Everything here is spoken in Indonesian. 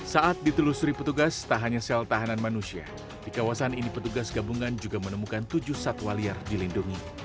saat ditelusuri petugas tak hanya sel tahanan manusia di kawasan ini petugas gabungan juga menemukan tujuh satwa liar dilindungi